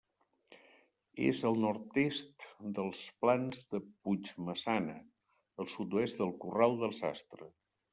És al nord-est dels Plans de Puigmaçana, al sud-oest del Corral del Sastre.